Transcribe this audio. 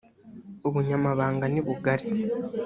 ubunyamabanga nibugari.